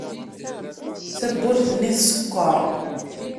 Tawwurt-nni teskeṛ.